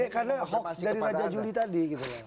karena hoax dari raja juli tadi